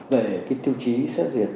để cái tiêu chí xét duyệt